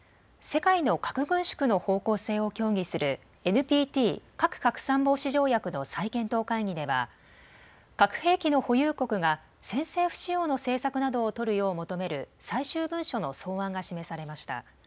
世界の核軍縮の方向性を協議するＮＰＴ・核拡散防止条約の再検討会議では核兵器の保有国が先制不使用の政策などを取るよう求める最終文書の草案が示されました。